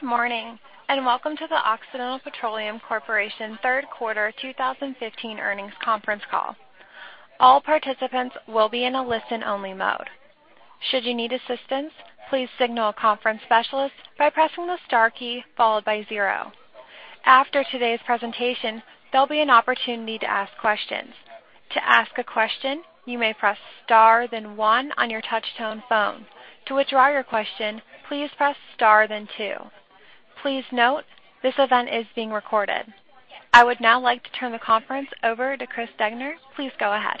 Good morning, welcome to the Occidental Petroleum Corporation third quarter 2015 earnings conference call. All participants will be in a listen-only mode. Should you need assistance, please signal a conference specialist by pressing the star key followed by zero. After today's presentation, there'll be an opportunity to ask questions. To ask a question, you may press star then one on your touch-tone phone. To withdraw your question, please press star then two. Please note, this event is being recorded. I would now like to turn the conference over to Chris Degner. Please go ahead.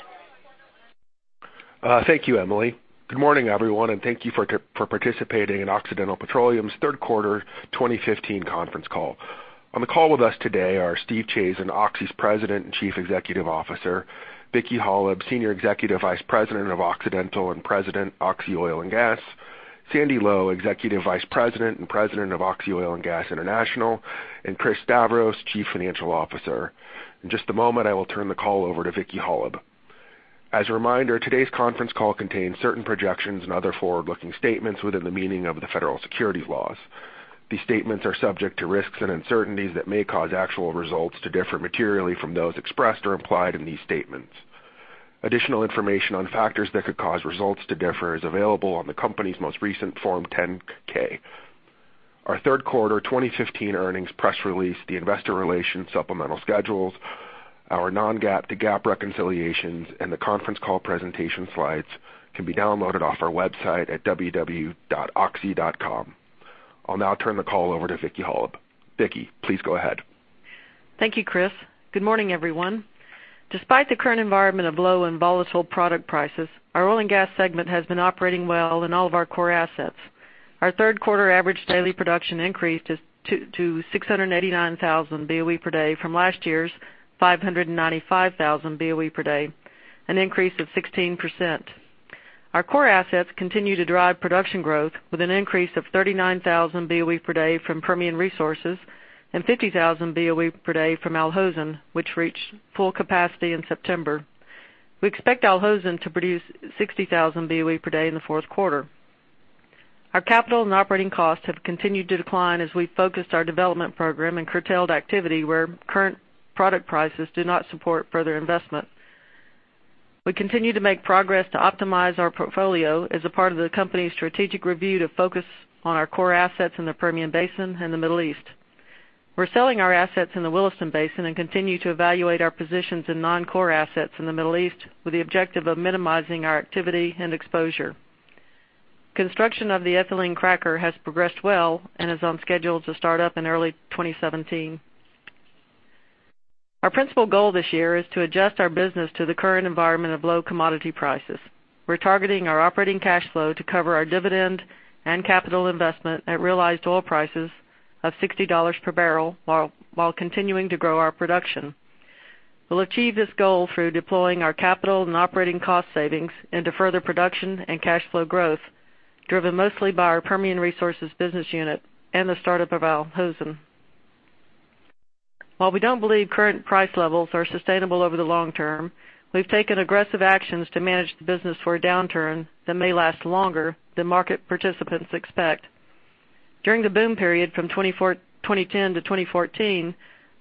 Thank you, Emily. Good morning, everyone, thank you for participating in Occidental Petroleum's third quarter 2015 conference call. On the call with us today are Steve Chazen, Oxy's President and Chief Executive Officer, Vicki Hollub, Senior Executive Vice President of Occidental and President, Oxy Oil and Gas, Sandy Lowe, Executive Vice President and President of Oxy Oil and Gas International, and Chris Stavros, Chief Financial Officer. In just a moment, I will turn the call over to Vicki Hollub. As a reminder, today's conference call contains certain projections and other forward-looking statements within the meaning of the federal securities laws. These statements are subject to risks and uncertainties that may cause actual results to differ materially from those expressed or implied in these statements. Additional information on factors that could cause results to differ is available on the company's most recent Form 10-K. Our third quarter 2015 earnings press release, the investor relations supplemental schedules, our non-GAAP to GAAP reconciliations, and the conference call presentation slides can be downloaded off our website at www.oxy.com. I'll now turn the call over to Vicki Hollub. Vicki, please go ahead. Thank you, Chris. Good morning, everyone. Despite the current environment of low and volatile product prices, our oil and gas segment has been operating well in all of our core assets. Our third quarter average daily production increased to 689,000 BOE per day from last year's 595,000 BOE per day, an increase of 16%. Our core assets continue to drive production growth with an increase of 39,000 BOE per day from Permian Resources and 50,000 BOE per day from Al Hosn, which reached full capacity in September. We expect Al Hosn to produce 60,000 BOE per day in the fourth quarter. Our capital and operating costs have continued to decline as we focused our development program and curtailed activity where current product prices do not support further investment. We continue to make progress to optimize our portfolio as a part of the company's strategic review to focus on our core assets in the Permian Basin and the Middle East. We're selling our assets in the Williston Basin and continue to evaluate our positions in non-core assets in the Middle East with the objective of minimizing our activity and exposure. Construction of the ethylene cracker has progressed well and is on schedule to start up in early 2017. Our principal goal this year is to adjust our business to the current environment of low commodity prices. We're targeting our operating cash flow to cover our dividend and capital investment at realized oil prices of $60 per barrel while continuing to grow our production. We'll achieve this goal through deploying our capital and operating cost savings into further production and cash flow growth, driven mostly by our Permian Resources business unit and the startup of Al Hosn. While we don't believe current price levels are sustainable over the long term, we've taken aggressive actions to manage the business for a downturn that may last longer than market participants expect. During the boom period from 2010 to 2014,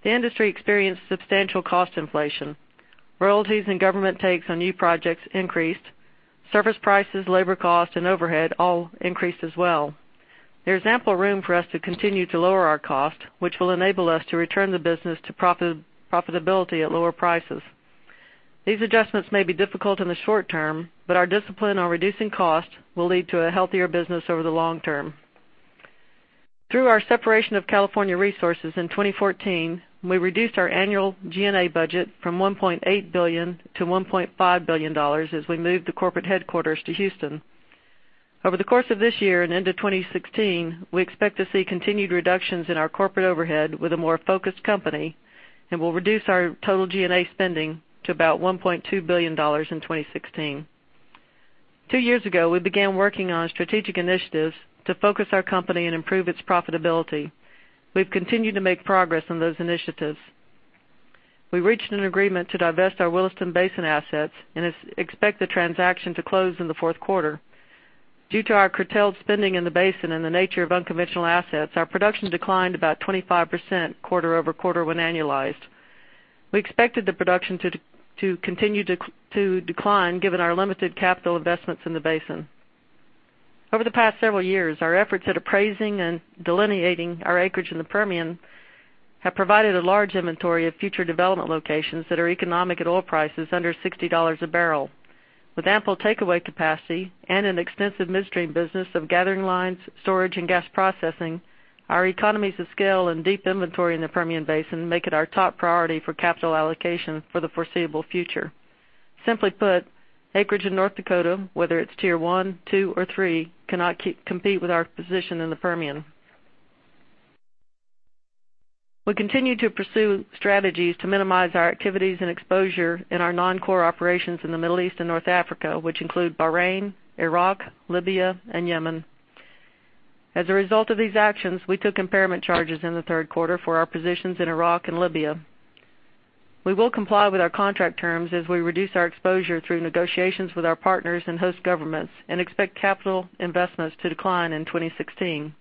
the industry experienced substantial cost inflation. Royalties and government takes on new projects increased. Service prices, labor cost, and overhead all increased as well. There's ample room for us to continue to lower our cost, which will enable us to return the business to profitability at lower prices. Our discipline on reducing costs will lead to a healthier business over the long term. Through our separation of California Resources in 2014, we reduced our annual G&A budget from $1.8 billion to $1.5 billion as we moved the corporate headquarters to Houston. Over the course of this year and into 2016, we expect to see continued reductions in our corporate overhead with a more focused company. We'll reduce our total G&A spending to about $1.2 billion in 2016. Two years ago, we began working on strategic initiatives to focus our company and improve its profitability. We've continued to make progress on those initiatives. We reached an agreement to divest our Williston Basin assets and expect the transaction to close in the fourth quarter. Due to our curtailed spending in the basin and the nature of unconventional assets, our production declined about 25% quarter-over-quarter when annualized. We expected the production to continue to decline given our limited capital investments in the basin. Over the past several years, our efforts at appraising and delineating our acreage in the Permian have provided a large inventory of future development locations that are economic at oil prices under $60 a barrel. With ample takeaway capacity and an extensive midstream business of gathering lines, storage, and gas processing, our economies of scale and deep inventory in the Permian Basin make it our top priority for capital allocation for the foreseeable future. Simply put, acreage in North Dakota, whether it's Tier 1, 2, or 3, cannot compete with our position in the Permian. We continue to pursue strategies to minimize our activities and exposure in our non-core operations in the Middle East and North Africa, which include Bahrain, Iraq, Libya, and Yemen. As a result of these actions, we took impairment charges in the third quarter for our positions in Iraq and Libya. We will comply with our contract terms as we reduce our exposure through negotiations with our partners and host governments and expect capital investments to decline in 2016.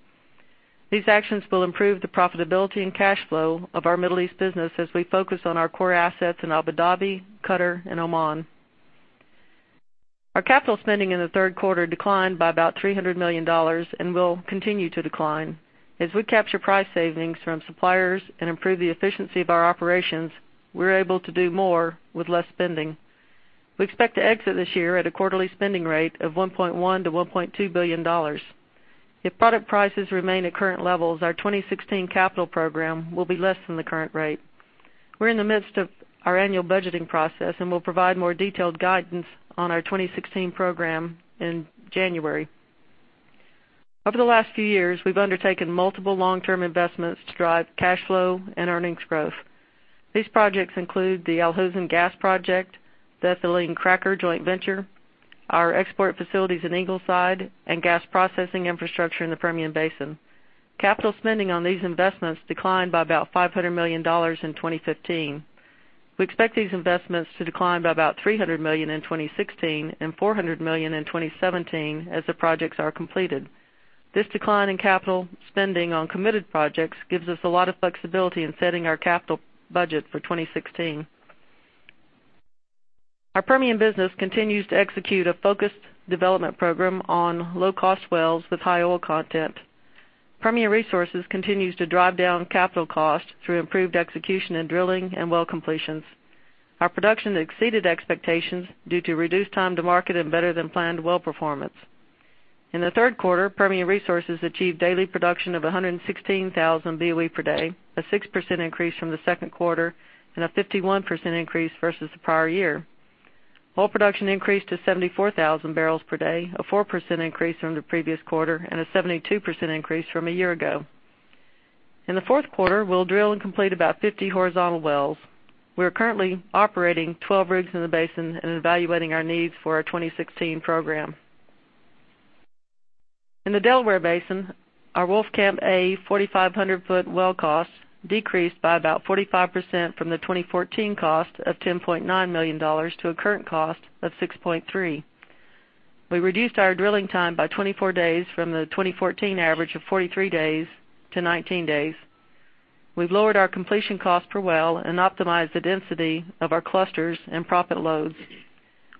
These actions will improve the profitability and cash flow of our Middle East business as we focus on our core assets in Abu Dhabi, Qatar, and Oman. Our capital spending in the third quarter declined by about $300 million and will continue to decline. As we capture price savings from suppliers and improve the efficiency of our operations, we're able to do more with less spending. We expect to exit this year at a quarterly spending rate of $1.1 billion-$1.2 billion. If product prices remain at current levels, our 2016 capital program will be less than the current rate. We'll provide more detailed guidance on our 2016 program in January. Over the last few years, we've undertaken multiple long-term investments to drive cash flow and earnings growth. These projects include the Al Hosn Gas project, the ethylene cracker joint venture, our export facilities in Ingleside, and gas processing infrastructure in the Permian Basin. Capital spending on these investments declined by about $500 million in 2015. We expect these investments to decline by about $300 million in 2016 and $400 million in 2017 as the projects are completed. This decline in capital spending on committed projects gives us a lot of flexibility in setting our capital budget for 2016. Our Permian business continues to execute a focused development program on low-cost wells with high oil content. Permian Resources continues to drive down capital costs through improved execution in drilling and well completions. Our production exceeded expectations due to reduced time to market and better-than-planned well performance. In the third quarter, Permian Resources achieved daily production of 116,000 BOE per day, a 6% increase from the second quarter and a 51% increase versus the prior year. Oil production increased to 74,000 barrels per day, a 4% increase from the previous quarter and a 72% increase from a year ago. In the fourth quarter, we'll drill and complete about 50 horizontal wells. We are currently operating 12 rigs in the basin and evaluating our needs for our 2016 program. In the Delaware Basin, our Wolfcamp A 4,500-foot well costs decreased by about 45% from the 2014 cost of $10.9 million to a current cost of $6.3 million. We reduced our drilling time by 24 days from the 2014 average of 43 days to 19 days. We've lowered our completion cost per well and optimized the density of our clusters and proppant loads.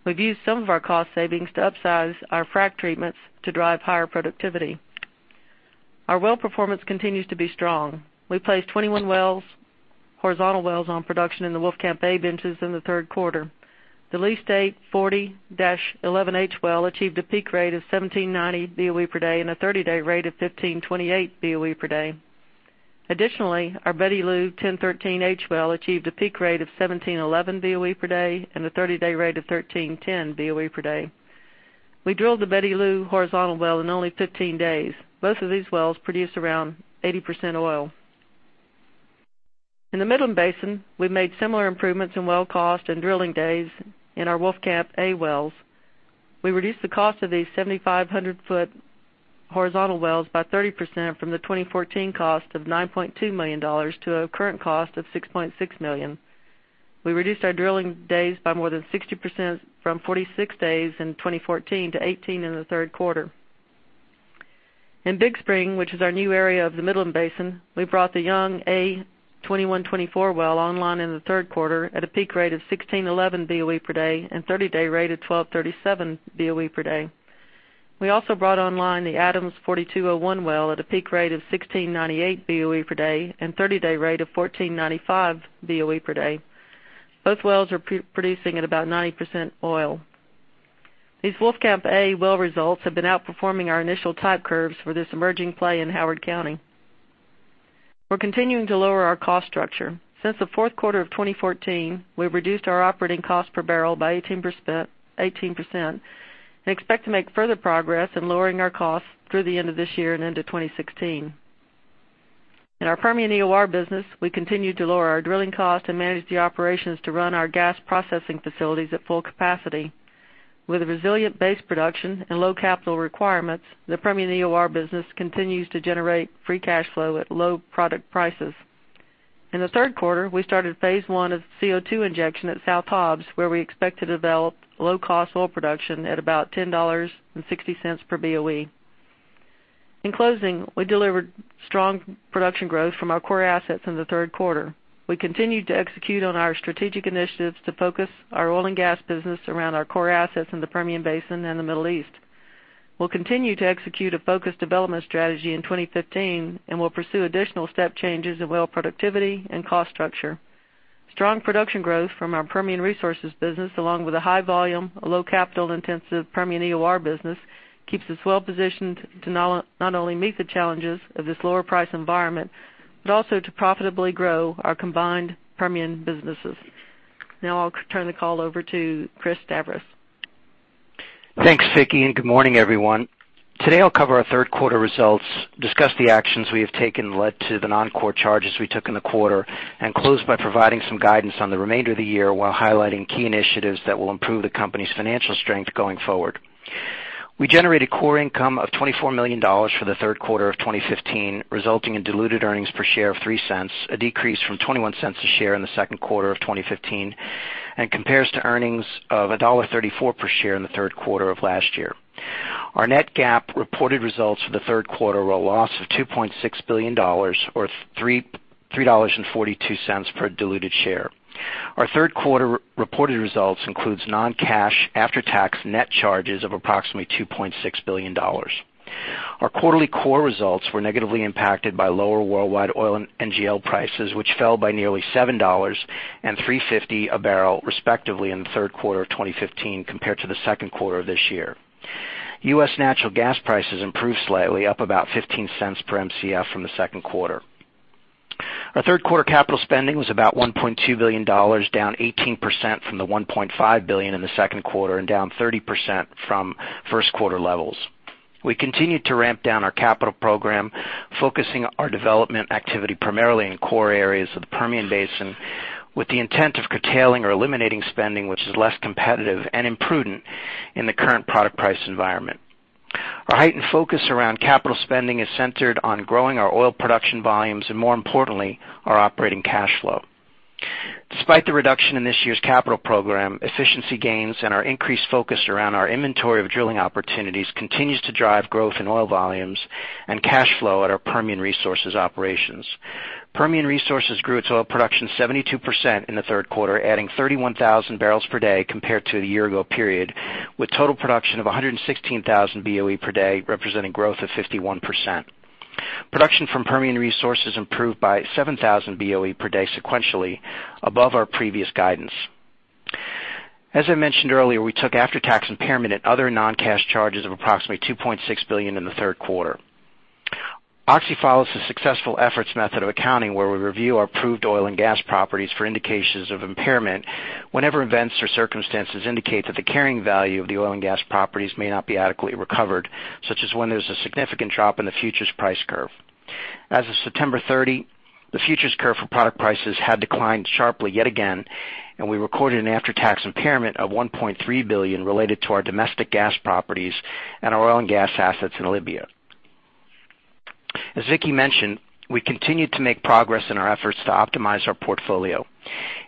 We've used some of our cost savings to upsize our frac treatments to drive higher productivity. Our well performance continues to be strong. We placed 21 horizontal wells on production in the Wolfcamp A benches in the third quarter. The Lease A 40-11H well achieved a peak rate of 1,790 BOE per day and a 30-day rate of 1,528 BOE per day. Additionally, our Betty Lou 10-13H well achieved a peak rate of 1,711 BOE per day and a 30-day rate of 1,310 BOE per day. We drilled the Betty Lou horizontal well in only 15 days. Both of these wells produce around 80% oil. In the Midland Basin, we've made similar improvements in well cost and drilling days in our Wolfcamp A wells. We reduced the cost of these 7,500-foot horizontal wells by 30% from the 2014 cost of $9.2 million to a current cost of $6.6 million. We reduced our drilling days by more than 60%, from 46 days in 2014 to 18 in the third quarter. In Big Spring, which is our new area of the Midland Basin, we brought the Young A 2124 well online in the third quarter at a peak rate of 1,611 BOE per day and 30-day rate of 1,237 BOE per day. We also brought online the Adams 4201 well at a peak rate of 1,698 BOE per day and 30-day rate of 1,495 BOE per day. Both wells are producing at about 90% oil. These Wolfcamp A well results have been outperforming our initial type curves for this emerging play in Howard County. We're continuing to lower our cost structure. Since the fourth quarter of 2014, we've reduced our operating cost per barrel by 18% and expect to make further progress in lowering our costs through the end of this year and into 2016. In our Permian EOR business, we continued to lower our drilling cost and managed the operations to run our gas processing facilities at full capacity. With a resilient base production and low capital requirements, the Permian EOR business continues to generate free cash flow at low product prices. In the third quarter, we started phase one of CO2 injection at South Hobbs, where we expect to develop low-cost oil production at about $10.60 per BOE. In closing, we delivered strong production growth from our core assets in the third quarter. We continued to execute on our strategic initiatives to focus our oil and gas business around our core assets in the Permian Basin and the Middle East. We'll continue to execute a focused development strategy in 2015. We'll pursue additional step changes in well productivity and cost structure. Strong production growth from our Permian Resources business, along with a high volume, low capital-intensive Permian EOR business, keeps us well-positioned to not only meet the challenges of this lower price environment but also to profitably grow our combined Permian businesses. Now I'll turn the call over to Chris Stavros. Thanks, Vicki. Good morning, everyone. Today, I'll cover our third quarter results, discuss the actions we have taken that led to the non-core charges we took in the quarter, and close by providing some guidance on the remainder of the year while highlighting key initiatives that will improve the company's financial strength going forward. We generated core income of $24 million for the third quarter of 2015, resulting in diluted earnings per share of $0.03, a decrease from $0.21 a share in the second quarter of 2015, and compares to earnings of $1.34 per share in the third quarter of last year. Our net GAAP reported results for the third quarter were a loss of $2.6 billion, or $3.42 per diluted share. Our third quarter reported results includes non-cash after-tax net charges of approximately $2.6 billion. Our quarterly core results were negatively impacted by lower worldwide oil and NGL prices, which fell by nearly $7 and $3.50 a barrel respectively in the third quarter of 2015 compared to the second quarter of this year. U.S. natural gas prices improved slightly, up about $0.15 per Mcf from the second quarter. Our third quarter capital spending was about $1.2 billion, down 18% from the $1.5 billion in the second quarter, and down 30% from first quarter levels. We continued to ramp down our capital program, focusing our development activity primarily in core areas of the Permian Basin, with the intent of curtailing or eliminating spending, which is less competitive and imprudent in the current product price environment. Our heightened focus around capital spending is centered on growing our oil production volumes and, more importantly, our operating cash flow. Despite the reduction in this year's capital program, efficiency gains and our increased focus around our inventory of drilling opportunities continues to drive growth in oil volumes and cash flow at our Permian Resources operations. Permian Resources grew its oil production 72% in the third quarter, adding 31,000 barrels per day compared to the year ago period, with total production of 116,000 BOE per day, representing growth of 51%. Production from Permian Resources improved by 7,000 BOE per day sequentially above our previous guidance. As I mentioned earlier, we took after-tax impairment and other non-cash charges of approximately $2.6 billion in the third quarter. Oxy follows the successful efforts method of accounting where we review our approved oil and gas properties for indications of impairment whenever events or circumstances indicate that the carrying value of the oil and gas properties may not be adequately recovered, such as when there's a significant drop in the futures price curve. As of September 30, the futures curve for product prices had declined sharply yet again, we recorded an after-tax impairment of $1.3 billion related to our domestic gas properties and our oil and gas assets in Libya. As Vicki mentioned, we continued to make progress in our efforts to optimize our portfolio.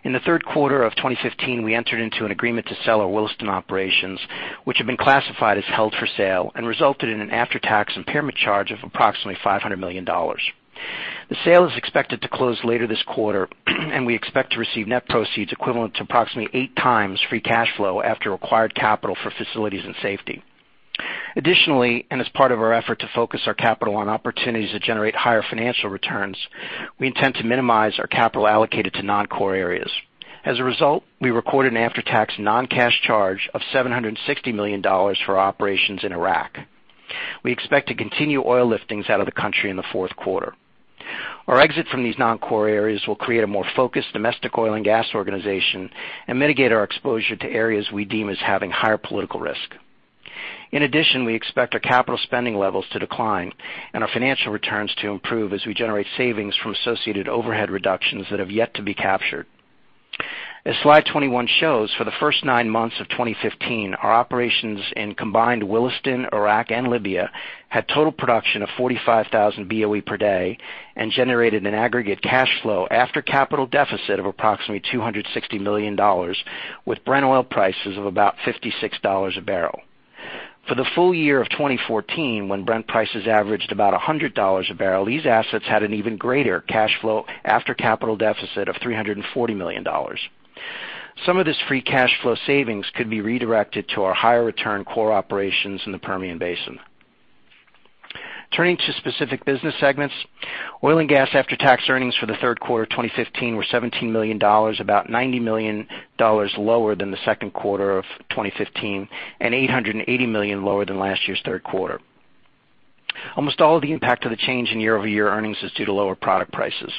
In the third quarter of 2015, we entered into an agreement to sell our Williston operations, which have been classified as held for sale and resulted in an after-tax impairment charge of approximately $500 million. The sale is expected to close later this quarter, and we expect to receive net proceeds equivalent to approximately 8x free cash flow after acquired capital for facilities and safety. Additionally, as part of our effort to focus our capital on opportunities that generate higher financial returns, we intend to minimize our capital allocated to non-core areas. As a result, we recorded an after-tax non-cash charge of $760 million for our operations in Iraq. We expect to continue oil liftings out of the country in the fourth quarter. Our exit from these non-core areas will create a more focused domestic oil and gas organization and mitigate our exposure to areas we deem as having higher political risk. In addition, we expect our capital spending levels to decline and our financial returns to improve as we generate savings from associated overhead reductions that have yet to be captured. As slide 21 shows, for the first nine months of 2015, our operations in combined Williston, Iraq, and Libya had total production of 45,000 BOE per day and generated an aggregate cash flow after capital deficit of approximately $260 million with Brent oil prices of about $56 a barrel. For the full year of 2014, when Brent prices averaged about $100 a barrel, these assets had an even greater cash flow after capital deficit of $340 million. Some of this free cash flow savings could be redirected to our higher return core operations in the Permian Basin. Turning to specific business segments, oil and gas after-tax earnings for the third quarter 2015 were $17 million, about $90 million lower than the second quarter of 2015, and $880 million lower than last year's third quarter. Almost all of the impact of the change in year-over-year earnings is due to lower product prices.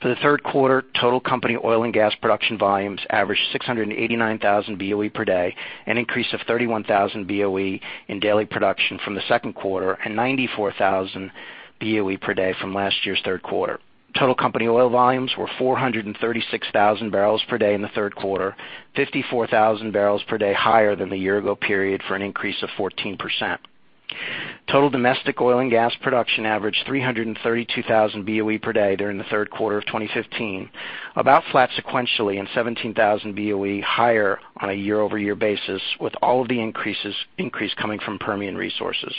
For the third quarter, total company oil and gas production volumes averaged 689,000 BOE per day, an increase of 31,000 BOE in daily production from the second quarter, and 94,000 BOE per day from last year's third quarter. Total company oil volumes were 436,000 barrels per day in the third quarter, 54,000 barrels per day higher than the year ago period for an increase of 14%. Total domestic oil and gas production averaged 332,000 BOE per day during the third quarter of 2015, about flat sequentially and 17,000 BOE higher on a year-over-year basis, with all of the increase coming from Permian Resources.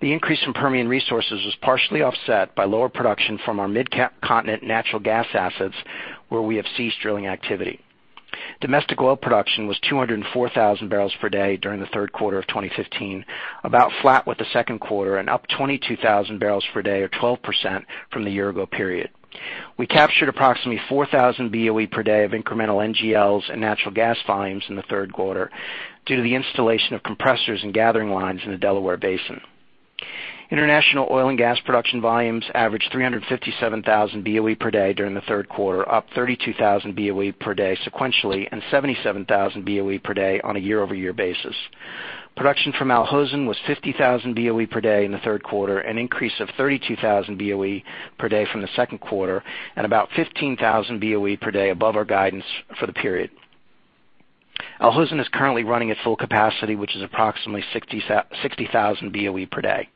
The increase in Permian Resources was partially offset by lower production from our Midcontinent natural gas assets, where we have ceased drilling activity. Domestic oil production was 204,000 barrels per day during the third quarter of 2015, about flat with the second quarter, and up 22,000 barrels per day or 12% from the year ago period. We captured approximately 4,000 BOE per day of incremental NGLs and natural gas volumes in the third quarter due to the installation of compressors and gathering lines in the Delaware Basin. International oil and gas production volumes averaged 357,000 BOE per day during the third quarter, up 32,000 BOE per day sequentially, and 77,000 BOE per day on a year-over-year basis. Production from Al Hosn was 50,000 BOE per day in the third quarter, an increase of 32,000 BOE per day from the second quarter, and about 15,000 BOE per day above our guidance for the period. Al Hosn is currently running at full capacity, which is approximately 60,000 BOE per day.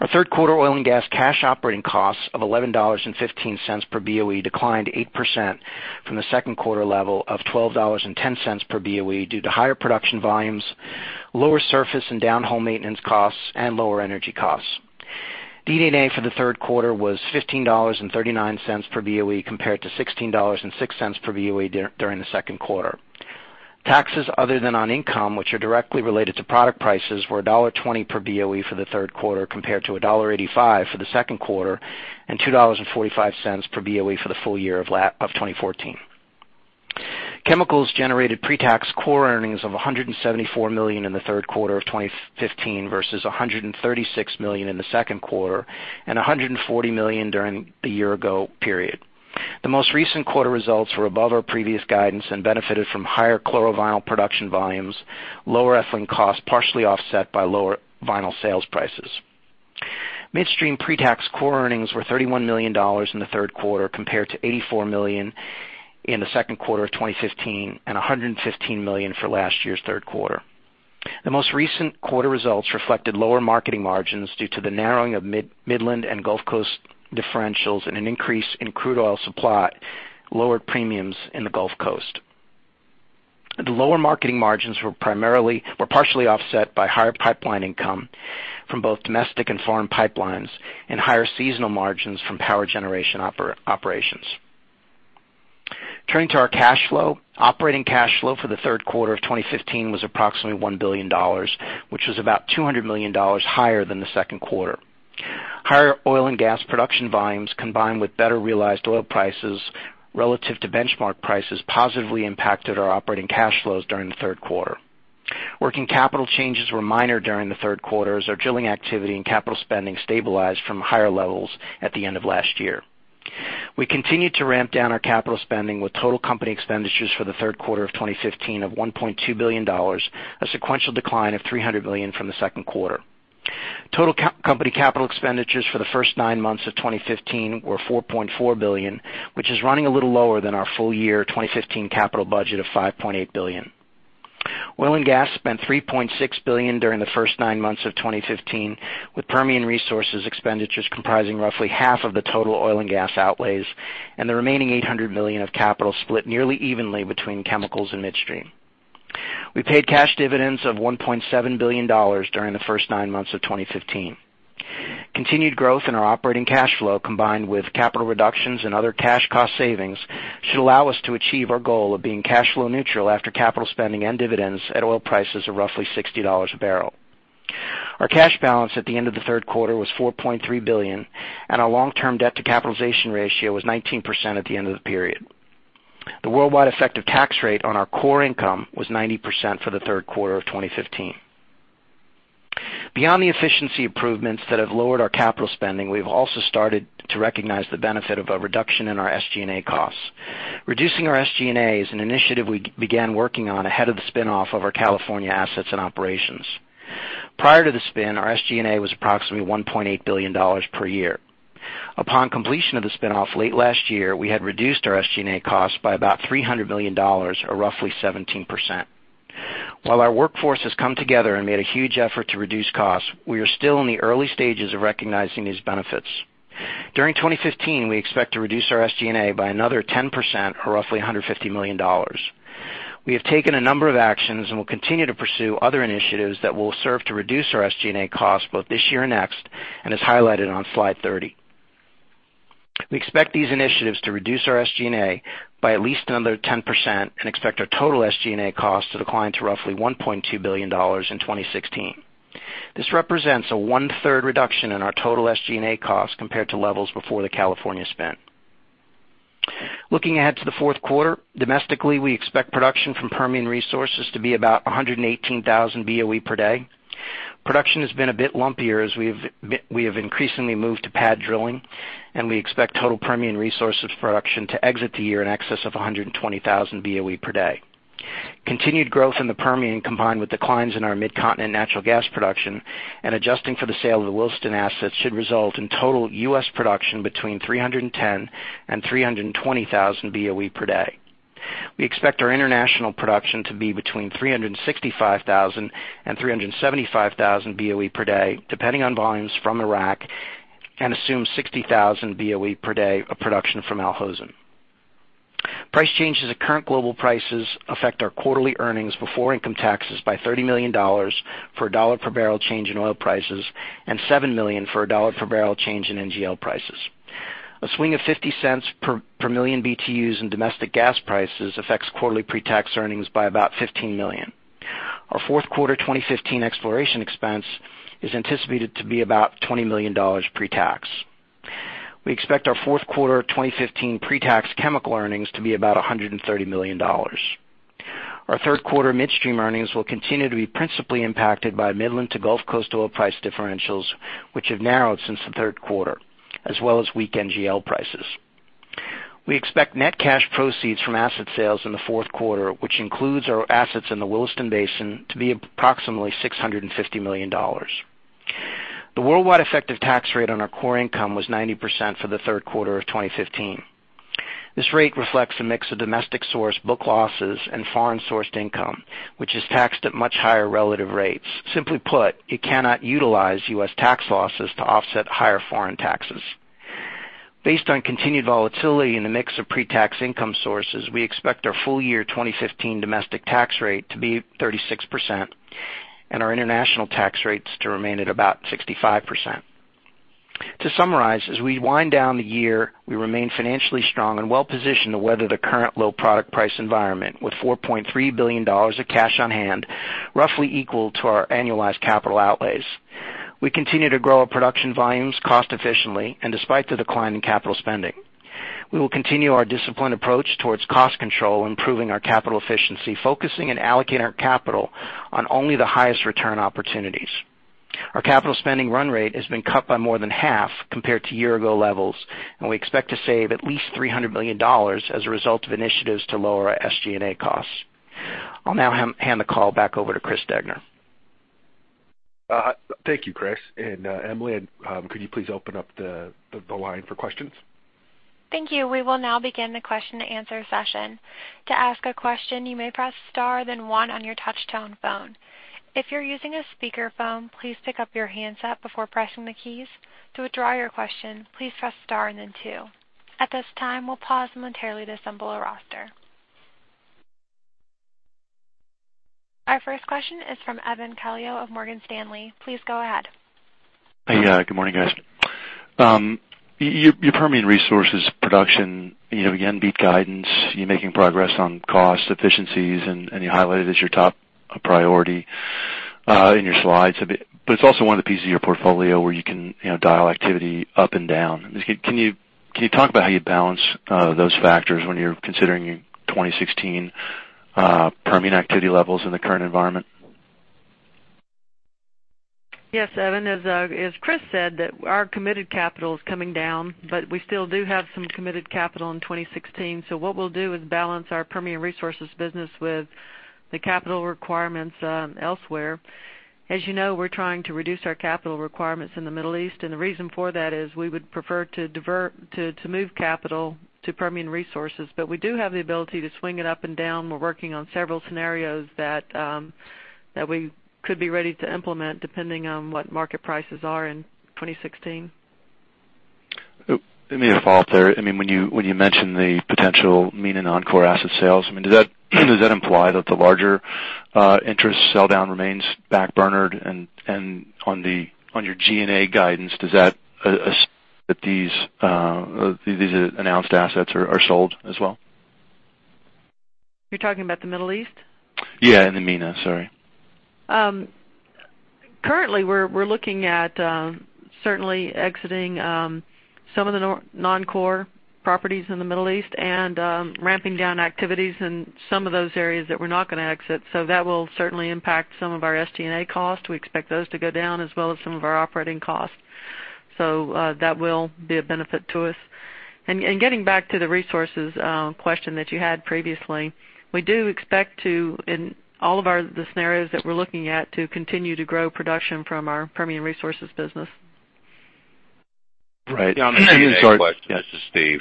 Our third quarter oil and gas cash operating costs of $11.15 per BOE declined 8% from the second quarter level of $12.10 per BOE due to higher production volumes, lower surface and down hole maintenance costs, and lower energy costs. DD&A for the third quarter was $15.39 per BOE, compared to $16.06 per BOE during the second quarter. Taxes other than on income, which are directly related to product prices, were $1.20 per BOE for the third quarter, compared to $1.85 for the second quarter, and $2.45 per BOE for the full year of 2014. Chemicals generated pre-tax core earnings of $174 million in the third quarter of 2015 versus $136 million in the second quarter and $140 million during the year ago period. The most recent quarter results were above our previous guidance and benefited from higher chlorovinyl production volumes, lower ethylene costs, partially offset by lower vinyl sales prices. Midstream pre-tax core earnings were $31 million in the third quarter, compared to $84 million in the second quarter of 2015 and $115 million for last year's third quarter. The most recent quarter results reflected lower marketing margins due to the narrowing of Midland and Gulf Coast differentials and an increase in crude oil supply, lowered premiums in the Gulf Coast. The lower marketing margins were partially offset by higher pipeline income from both domestic and foreign pipelines and higher seasonal margins from power generation operations. Turning to our cash flow. Operating cash flow for the third quarter of 2015 was approximately $1 billion, which was about $200 million higher than the second quarter. Higher oil and gas production volumes, combined with better realized oil prices relative to benchmark prices, positively impacted our operating cash flows during the third quarter. Working capital changes were minor during the third quarter as our drilling activity and capital spending stabilized from higher levels at the end of last year. We continued to ramp down our capital spending with total company expenditures for the third quarter of 2015 of $1.2 billion, a sequential decline of $300 million from the second quarter. Total company capital expenditures for the first nine months of 2015 were $4.4 billion, which is running a little lower than our full year 2015 capital budget of $5.8 billion. Oil and gas spent $3.6 billion during the first nine months of 2015, with Permian Resources expenditures comprising roughly half of the total oil and gas outlays, and the remaining $800 million of capital split nearly evenly between chemicals and midstream. We paid cash dividends of $1.7 billion during the first nine months of 2015. Continued growth in our operating cash flow, combined with capital reductions and other cash cost savings, should allow us to achieve our goal of being cash flow neutral after capital spending and dividends at oil prices of roughly $60 a barrel. Our cash balance at the end of the third quarter was $4.3 billion, and our long-term debt to capitalization ratio was 19% at the end of the period. The worldwide effective tax rate on our core income was 90% for the third quarter of 2015. Beyond the efficiency improvements that have lowered our capital spending, we've also started to recognize the benefit of a reduction in our SG&A costs. Reducing our SG&A is an initiative we began working on ahead of the spin-off of our California assets and operations. Prior to the spin, our SG&A was approximately $1.8 billion per year. Upon completion of the spin-off late last year, we had reduced our SG&A costs by about $300 million, or roughly 17%. While our workforce has come together and made a huge effort to reduce costs, we are still in the early stages of recognizing these benefits. During 2015, we expect to reduce our SG&A by another 10%, or roughly $150 million. We have taken a number of actions and will continue to pursue other initiatives that will serve to reduce our SG&A costs both this year and next, and is highlighted on slide 30. We expect these initiatives to reduce our SG&A by at least another 10% and expect our total SG&A costs to decline to roughly $1.2 billion in 2016. This represents a one-third reduction in our total SG&A costs compared to levels before the California spin. Looking ahead to the fourth quarter, domestically, we expect production from Permian Resources to be about 118,000 BOE per day. Production has been a bit lumpier as we have increasingly moved to pad drilling, and we expect total Permian Resources production to exit the year in excess of 120,000 BOE per day. Continued growth in the Permian, combined with declines in our Mid-Continent natural gas production and adjusting for the sale of the Williston assets, should result in total U.S. production between 310,000 and 320,000 BOE per day. We expect our international production to be between 365,000 and 375,000 BOE per day, depending on volumes from Iraq, and assume 60,000 BOE per day of production from Al Hosn. Price changes at current global prices affect our quarterly earnings before income taxes by $30 million for $1 per barrel change in oil prices and $7 million for $1 per barrel change in NGL prices. A swing of $0.50 per million BTUs in domestic gas prices affects quarterly pre-tax earnings by about $15 million. Our fourth quarter 2015 exploration expense is anticipated to be about $20 million pre-tax. We expect our fourth quarter 2015 pre-tax chemical earnings to be about $130 million. Our third quarter midstream earnings will continue to be principally impacted by Midland to Gulf Coast oil price differentials, which have narrowed since the third quarter, as well as weak NGL prices. We expect net cash proceeds from asset sales in the fourth quarter, which includes our assets in the Williston Basin, to be approximately $650 million. The worldwide effective tax rate on our core income was 90% for the third quarter of 2015. This rate reflects a mix of domestic source book losses and foreign sourced income, which is taxed at much higher relative rates. Simply put, it cannot utilize U.S. tax losses to offset higher foreign taxes. Based on continued volatility in the mix of pre-tax income sources, we expect our full year 2015 domestic tax rate to be 36% and our international tax rates to remain at about 65%. To summarize, as we wind down the year, we remain financially strong and well-positioned to weather the current low product price environment with $4.3 billion of cash on hand, roughly equal to our annualized capital outlays. We continue to grow our production volumes cost efficiently and despite the decline in capital spending. We will continue our disciplined approach towards cost control, improving our capital efficiency, focusing and allocating our capital on only the highest return opportunities. Our capital spending run rate has been cut by more than half compared to year-ago levels, we expect to save at least $300 million as a result of initiatives to lower our SG&A costs. I'll now hand the call back over to Chris Degner. Thank you, Chris. Emily, could you please open up the line for questions? Thank you. We will now begin the question and answer session. To ask a question, you may press star 1 on your touchtone phone. If you're using a speakerphone, please pick up your handset before pressing the keys. To withdraw your question, please press star 2. At this time, we'll pause momentarily to assemble a roster. Our first question is from Evan Calio of Morgan Stanley. Please go ahead. Hey, good morning, guys. Your Permian Resources production again beat guidance. You're making progress on cost efficiencies, you highlighted as your top priority in your slides, it's also one of the pieces of your portfolio where you can dial activity up and down. Can you talk about how you balance those factors when you're considering your 2016 Permian activity levels in the current environment? Yes, Evan, as Chris said, that our committed capital is coming down, we still do have some committed capital in 2016. What we'll do is balance our Permian Resources business with the capital requirements elsewhere. As you know, we're trying to reduce our capital requirements in the Middle East, the reason for that is we would prefer to move capital to Permian Resources. We do have the ability to swing it up and down. We're working on several scenarios that we could be ready to implement depending on what market prices are in 2016. Let me follow up there. When you mention the potential MENA non-core asset sales, does that imply that the larger interest sell down remains backburnered? On your G&A guidance, does that assume that these announced assets are sold as well? You're talking about the Middle East? Yeah, the MENA, sorry. We're looking at certainly exiting some of the non-core properties in the Middle East and ramping down activities in some of those areas that we're not going to exit. That will certainly impact some of our SG&A costs. We expect those to go down as well as some of our operating costs. That will be a benefit to us. Getting back to the resources question that you had previously, we do expect to, in all of the scenarios that we're looking at, to continue to grow production from our Permian Resources business. Right. This is Steve.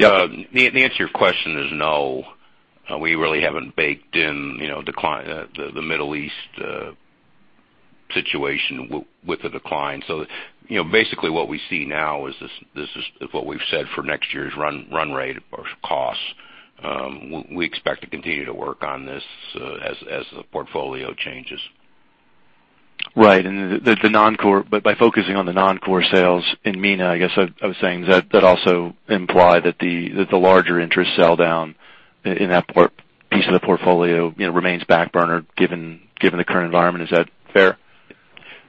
Yep. The answer to your question is no. We really haven't baked in the Middle East situation with the decline. Basically what we see now is what we've said for next year's run rate or cost. We expect to continue to work on this as the portfolio changes. Right. By focusing on the non-core sales in MENA, I guess I was saying that also imply that the larger interest sell down in that piece of the portfolio remains backburner given the current environment. Is that fair?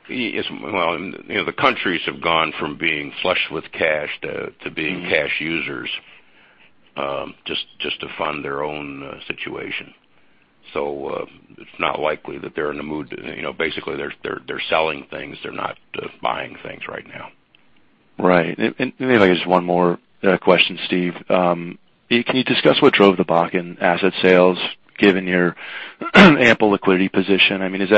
Well, the countries have gone from being flushed with cash to being cash users, just to fund their own situation. It's not likely that they're in the mood. Basically, they're selling things. They're not buying things right now. Right. Maybe just one more question, Steve. Can you discuss what drove the Bakken asset sales given your ample liquidity position? Is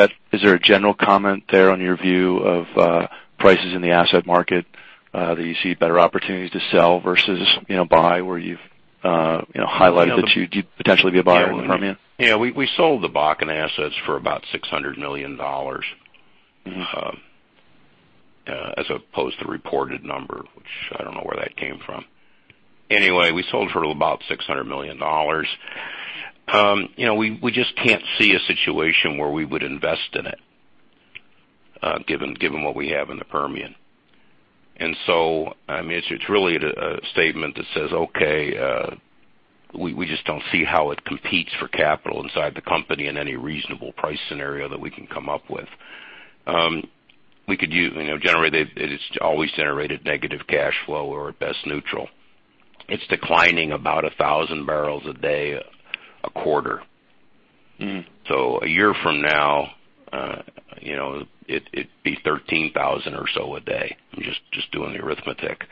there a general comment there on your view of prices in the asset market that you see better opportunities to sell versus buy where you've highlighted that you'd potentially be a buyer in the Permian? Yeah. We sold the Bakken assets for about $600 million. As opposed to the reported number, which I don't know where that came from. Anyway, we sold for about $600 million. We just can't see a situation where we would invest in it given what we have in the Permian. It's really a statement that says, okay we just don't see how it competes for capital inside the company in any reasonable price scenario that we can come up with. It's always generated negative cash flow or at best neutral. It's declining about 1,000 barrels a day, a quarter. A year from now it'd be 13,000 or so a day. I'm just doing the arithmetic.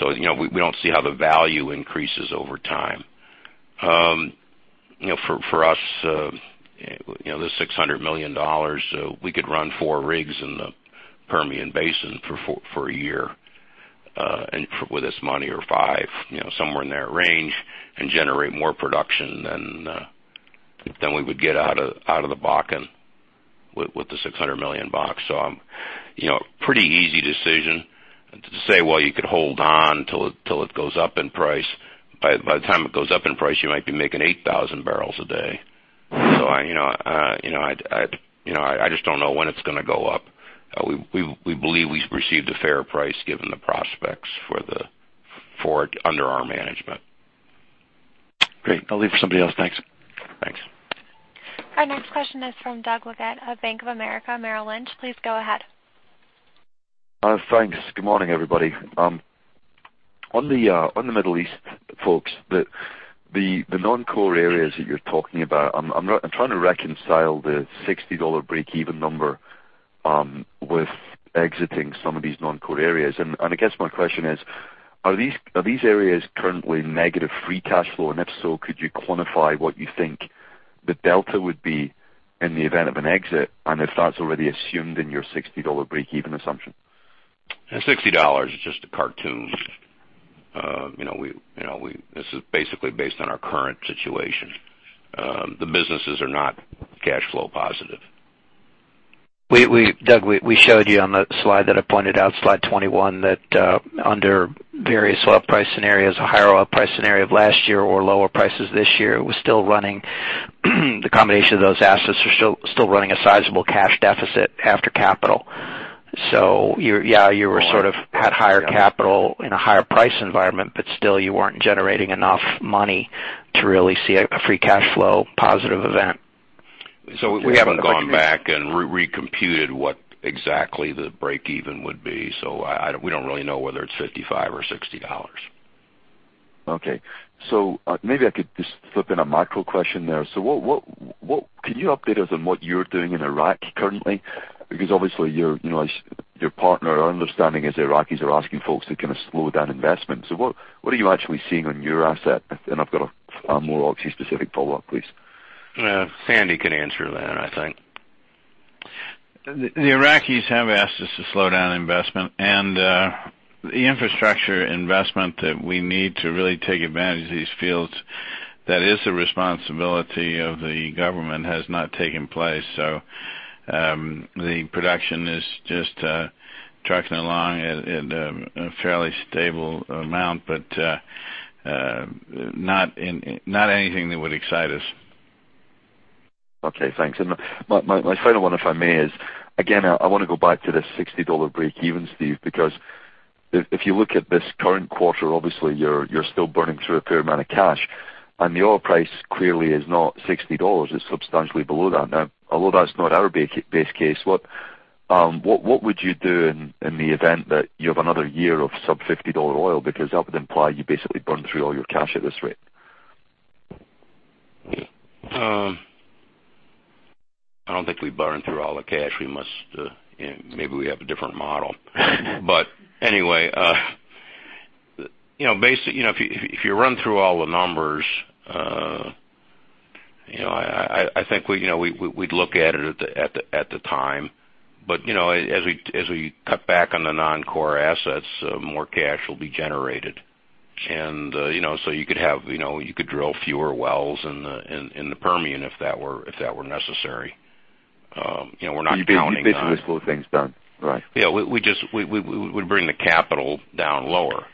We don't see how the value increases over time. For us, this $600 million, we could run four rigs in the Permian Basin for a year with this money or five, somewhere in that range, and generate more production than we would get out of the Bakken with the $600 million. Pretty easy decision to say, well, you could hold on till it goes up in price. By the time it goes up in price, you might be making 8,000 barrels a day. I just don't know when it's going to go up. We believe we received a fair price given the prospects for it under our management. Great. I'll leave for somebody else. Thanks. Thanks. Our next question is from Doug Leggate of Bank of America Merrill Lynch. Please go ahead. Thanks. Good morning, everybody. On the Middle East, folks, the non-core areas that you're talking about, I'm trying to reconcile the $60 breakeven number with exiting some of these non-core areas. I guess my question is, are these areas currently negative free cash flow? If so, could you quantify what you think the delta would be in the event of an exit, and if that's already assumed in your $60 breakeven assumption? $60 is just a cartoon. This is basically based on our current situation. The businesses are not cash flow positive. Doug, we showed you on the slide that I pointed out, slide 21, that under various oil price scenarios, a higher oil price scenario of last year or lower prices this year, the combination of those assets are still running a sizable cash deficit after capital. You had higher capital in a higher price environment, but still you weren't generating enough money to really see a free cash flow positive event. We haven't gone back and recomputed what exactly the breakeven would be. We don't really know whether it's 55 or $60. Okay. Maybe I could just slip in a micro question there. Can you update us on what you're doing in Iraq currently? Obviously, your partner, our understanding is Iraqis are asking folks to kind of slow down investment. What are you actually seeing on your asset? I've got a more Oxy specific follow-up, please. Sandy can answer that, I think. The Iraqis have asked us to slow down investment. The infrastructure investment that we need to really take advantage of these fields, that is the responsibility of the government has not taken place. The production is just trucking along at a fairly stable amount, but not anything that would excite us. Okay, thanks. My final one, if I may, is, again, I want to go back to the $60 breakeven, Steve, because if you look at this current quarter, obviously you're still burning through a fair amount of cash, and the oil price clearly is not $60. It's substantially below that. Now, although that's not our base case, what would you do in the event that you have another year of sub $50 oil? Because that would imply you basically burn through all your cash at this rate. I don't think we burn through all the cash. Maybe we have a different model. Anyway, if you run through all the numbers I think we'd look at it at the time. As we cut back on the non-core assets, more cash will be generated. You could drill fewer wells in the Permian if that were necessary. We're not counting on- You'd be basically slow things down, right? Yeah. We'd bring the capital down lower.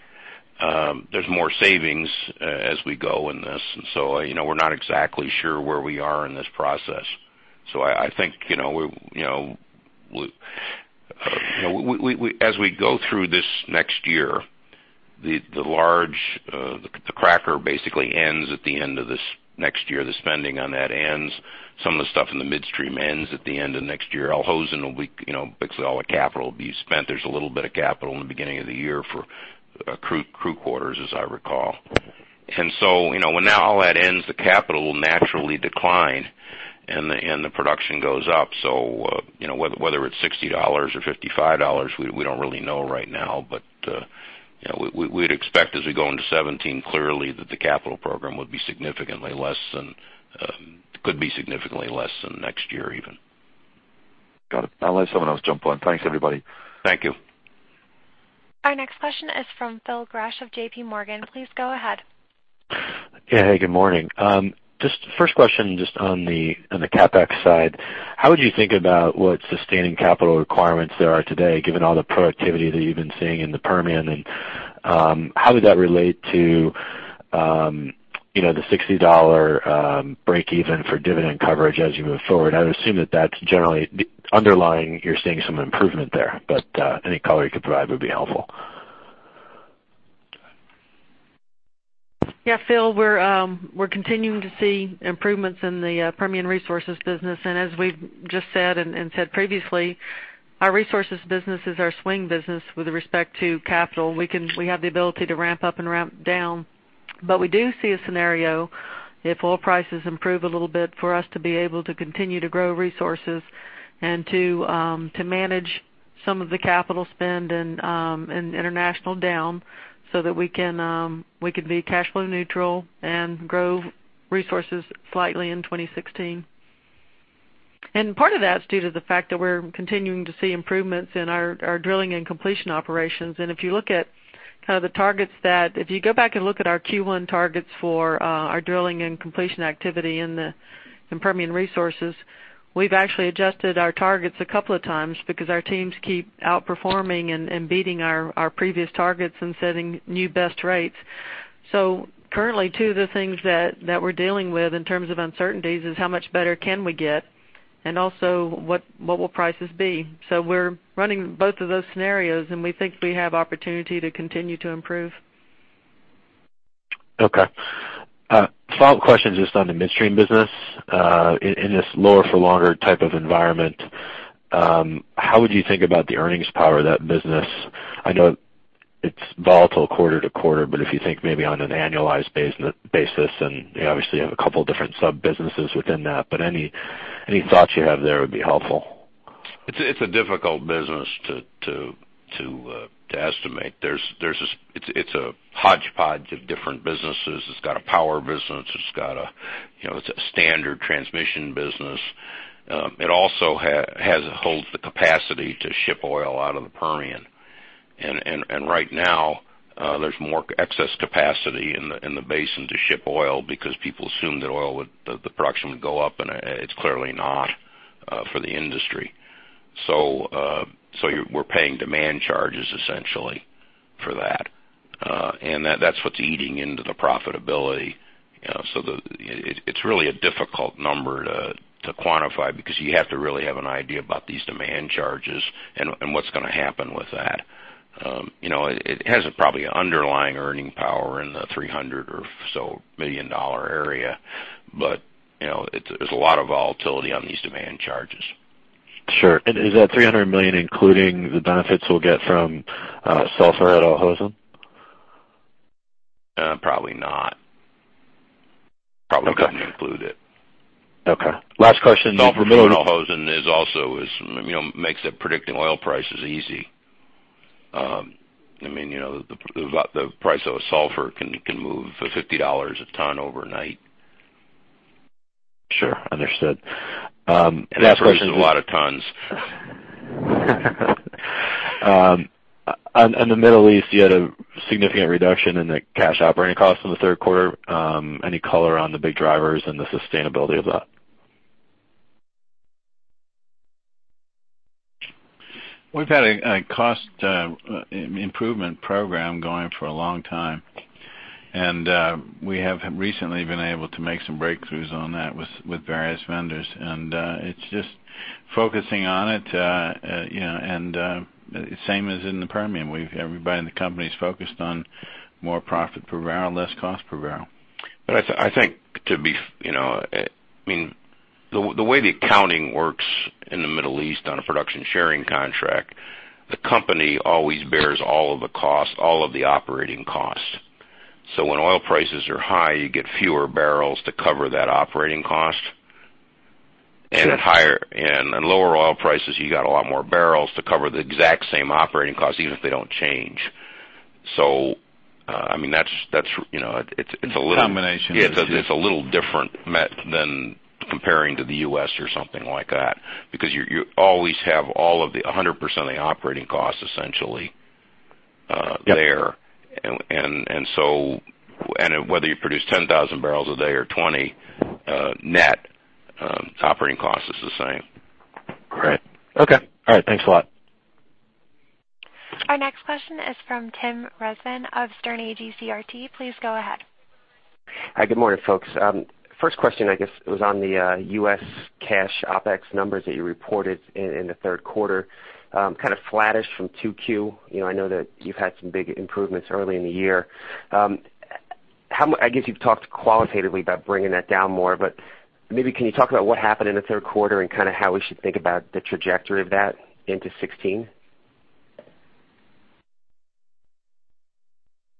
There's more savings as we go in this, we're not exactly sure where we are in this process. I think as we go through this next year, the cracker basically ends at the end of this next year. The spending on that ends. Some of the stuff in the midstream ends at the end of next year. Al Hosn, basically all the capital will be spent. There's a little bit of capital in the beginning of the year for crew quarters, as I recall. When now all that ends, the capital will naturally decline, and the production goes up. So whether it's $60 or $55, we don't really know right now. We'd expect as we go into 2017, clearly that the capital program could be significantly less than next year even. Got it. I'll let someone else jump on. Thanks, everybody. Thank you. Our next question is from Phil Gresh of J.P. Morgan. Please go ahead. Hey, good morning. First question just on the CapEx side. How would you think about what sustaining capital requirements there are today, given all the productivity that you've been seeing in the Permian, and how would that relate to the $60 breakeven for dividend coverage as you move forward? I would assume that that's generally underlying, you're seeing some improvement there, any color you could provide would be helpful. Yeah, Phil, we're continuing to see improvements in the Permian Resources business. As we've just said and said previously, our resources business is our swing business with respect to capital. We have the ability to ramp up and ramp down. We do see a scenario, if oil prices improve a little bit, for us to be able to continue to grow resources and to manage some of the capital spend and international down so that we could be cash flow neutral and grow resources slightly in 2016. Part of that is due to the fact that we're continuing to see improvements in our drilling and completion operations. If you go back and look at our Q1 targets for our drilling and completion activity in the Permian Resources, we've actually adjusted our targets a couple of times because our teams keep outperforming and beating our previous targets and setting new best rates. Currently, two of the things that we're dealing with in terms of uncertainties is how much better can we get and also what will prices be. We're running both of those scenarios, we think we have opportunity to continue to improve. Okay. Follow-up question, just on the midstream business. In this lower for longer type of environment, how would you think about the earnings power of that business? I know it's volatile quarter to quarter, but if you think maybe on an annualized basis, and you obviously have a couple different sub-businesses within that, but any thoughts you have there would be helpful. It's a difficult business to estimate. It's a hodgepodge of different businesses. It's got a power business. It's got a standard transmission business. It also holds the capacity to ship oil out of the Permian. Right now, there's more excess capacity in the basin to ship oil because people assumed that the production would go up, and it's clearly not for the industry. We're paying demand charges essentially for that. That's what's eating into the profitability. It's really a difficult number to quantify because you have to really have an idea about these demand charges and what's going to happen with that. It has probably underlying earning power in the $300 million area, but there's a lot of volatility on these demand charges. Sure. Is that $300 million including the benefits we'll get from sulfur at Al Hosn? Probably not. Okay. Probably wouldn't include it. Okay. Last question. Sulfur at Al Hosn also makes predicting oil prices easy. The price of a sulfur can move for $50 a ton overnight. Sure. Understood. That's versus a lot of tons. In the Middle East, you had a significant reduction in the cash operating costs in the third quarter. Any color on the big drivers and the sustainability of that? We've had a cost improvement program going for a long time, and we have recently been able to make some breakthroughs on that with various vendors, and it's just focusing on it. Same as in the Permian. Everybody in the company's focused on more profit per barrel, less cost per barrel. I think the way the accounting works in the Middle East on a production sharing contract, the company always bears all of the operating cost. When oil prices are high, you get fewer barrels to cover that operating cost. Sure. At lower oil prices, you got a lot more barrels to cover the exact same operating cost, even if they don't change. It's a combination. Yeah. It's a little different than comparing to the U.S. or something like that because you always have 100% of the operating cost essentially there. Whether you produce 10,000 barrels a day or 20 net, operating cost is the same. Great. Okay. All right. Thanks a lot. Our next question is from Tim Rezvan of Sterne Agee CRT. Please go ahead. Hi. Good morning, folks. First question, I guess, was on the U.S. cash OpEx numbers that you reported in the third quarter. Kind of flattish from 2Q. I know that you've had some big improvements early in the year. I guess you've talked qualitatively about bringing that down more. Maybe can you talk about what happened in the third quarter and how we should think about the trajectory of that into 2016?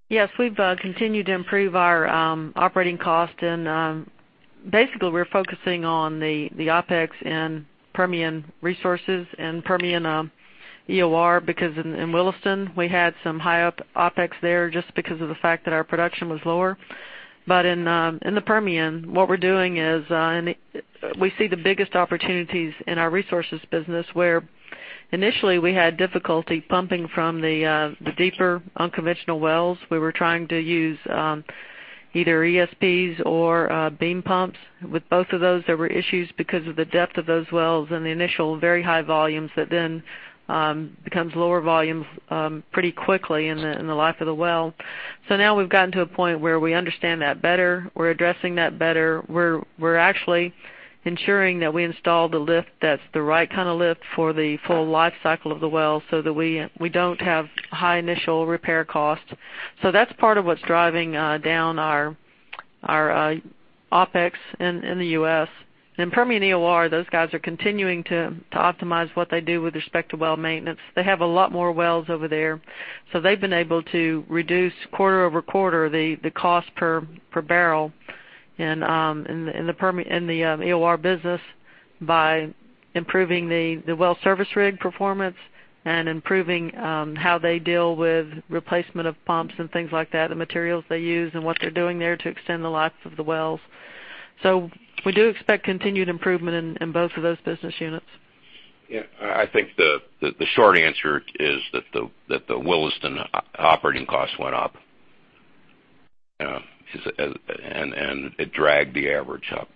Yes, we've continued to improve our operating cost and basically we're focusing on the OPEX and Permian Resources and Permian EOR because in Williston we had some high OPEX there just because of the fact that our production was lower. In the Permian, what we're doing is we see the biggest opportunities in our resources business, where initially we had difficulty pumping from the deeper unconventional wells. We were trying to use either ESPs or beam pumps. With both of those, there were issues because of the depth of those wells and the initial very high volumes that then becomes lower volumes pretty quickly in the life of the well. Now we've gotten to a point where we understand that better. We're addressing that better. We're actually ensuring that we install the lift that's the right kind of lift for the full life cycle of the well so that we don't have high initial repair costs. That's part of what's driving down our OPEX in the U.S. In Permian EOR, those guys are continuing to optimize what they do with respect to well maintenance. They have a lot more wells over there, so they've been able to reduce quarter-over-quarter the cost per barrel. In the EOR business by improving the well service rig performance and improving how they deal with replacement of pumps and things like that, the materials they use and what they're doing there to extend the life of the wells. We do expect continued improvement in both of those business units. Yeah. I think the short answer is that the Williston operating costs went up, and it dragged the average up.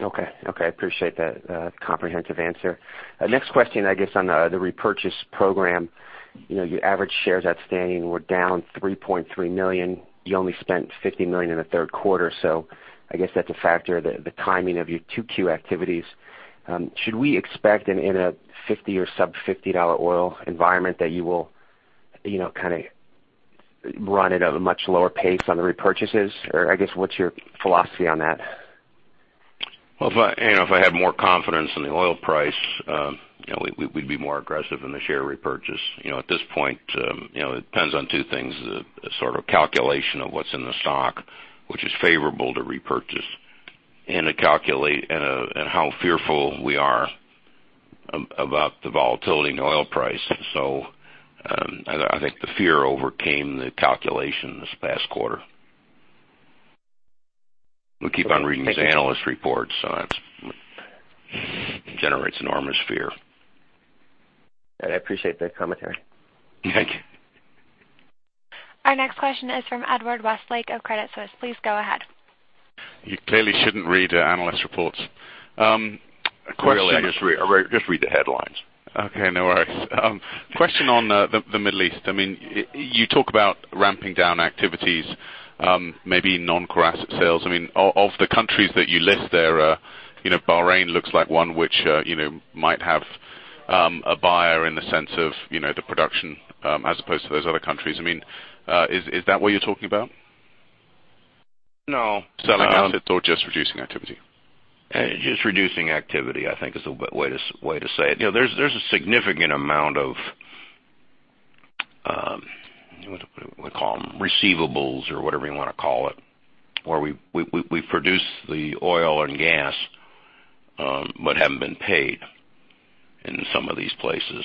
Okay. I appreciate that comprehensive answer. Next question, I guess, on the repurchase program. Your average shares outstanding were down 3.3 million. You only spent $50 million in the third quarter. I guess that's a factor, the timing of your 2Q activities. Should we expect in a $50 or sub-$50 oil environment that you will run at a much lower pace on the repurchases? I guess, what's your philosophy on that? Well, if I had more confidence in the oil price, we'd be more aggressive in the share repurchase. At this point, it depends on two things: a sort of calculation of what's in the stock, which is favorable to repurchase, and how fearful we are about the volatility in the oil price. I think the fear overcame the calculation this past quarter. We keep on reading these analyst reports, so it generates enormous fear. I appreciate that commentary. Thank you. Our next question is from Edward Westlake of Credit Suisse. Please go ahead. You clearly shouldn't read analyst reports. Really just read the headlines. Okay, no worries. Question on the Middle East. You talk about ramping down activities, maybe non-core asset sales. Of the countries that you list there, Bahrain looks like one which might have a buyer in the sense of the production, as opposed to those other countries. Is that what you're talking about? No. Selling assets or just reducing activity? Just reducing activity, I think is the way to say it. There's a significant amount of, what do you call them, receivables or whatever you want to call it, where we produce the oil and gas, but haven't been paid in some of these places.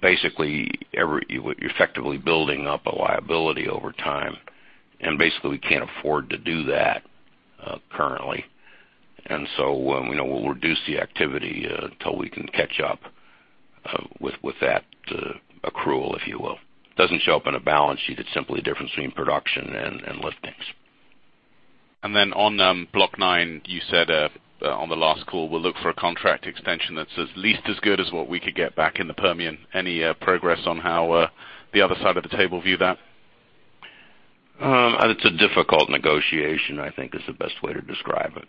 Basically, you're effectively building up a liability over time, and basically we can't afford to do that currently. We'll reduce the activity until we can catch up with that accrual, if you will. It doesn't show up on a balance sheet. It's simply a difference between production and liftings. On Block 9, you said on the last call, we'll look for a contract extension that's at least as good as what we could get back in the Permian. Any progress on how the other side of the table view that? It's a difficult negotiation, I think is the best way to describe it.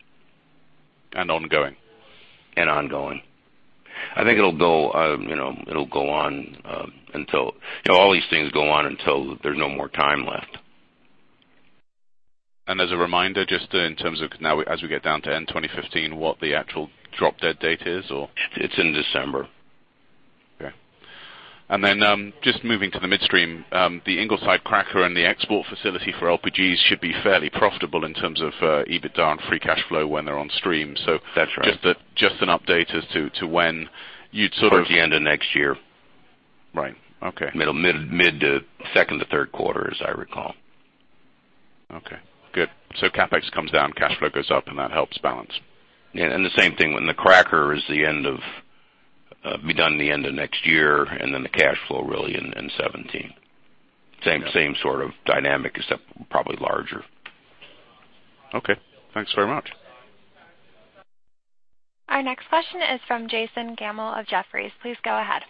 Ongoing? Ongoing. I think it'll go on until all these things go on until there's no more time left. As a reminder, just in terms of now as we get down to end 2015, what the actual drop-dead date is, or? It's in December. Okay. Just moving to the midstream. The Ingleside cracker and the export facility for LPGs should be fairly profitable in terms of EBITDA and free cash flow when they're on stream. That's right. Just an update as to when you'd sort of. Towards the end of next year. Right. Okay. Mid to second to third quarter, as I recall. CapEx comes down, cash flow goes up, and that helps balance. Yeah, the same thing when the cracker is be done in the end of next year the cash flow really in 2017. Same sort of dynamic, except probably larger. Okay. Thanks very much. Our next question is from Jason Gammel of Jefferies. Please go ahead.